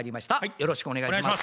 よろしくお願いします。